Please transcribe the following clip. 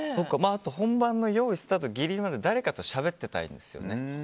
あと本番のよーいスタートギリギリまで誰かとしゃべってたいんですよね。